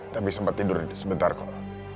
tapi sempat tidur sebentar kok